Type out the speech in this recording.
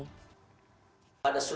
terkait dengan pencekalannya berikut ini